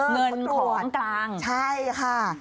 เงินของกลางใช่ค่ะ